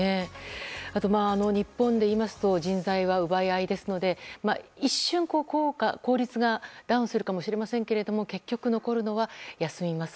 日本でいいますと人材は奪い合いですので一瞬、効率がダウンするかもしれませんが結局残るのは休みます